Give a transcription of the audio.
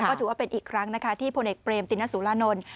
ก็ถือว่าเป็นอีกครั้งนะคะที่พลเอกเบรมตินสุรานนท์